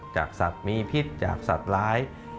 จากสัตว์มีพิษจากสัตว์ร้าย